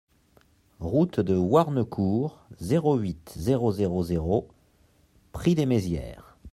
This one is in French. Route de Warnecourt, zéro huit, zéro zéro zéro Prix-lès-Mézières